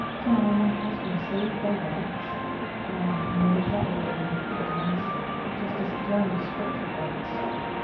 Can I my husband save by rites? Ah, no, that were a vain pretence, Justice eternal strict requites.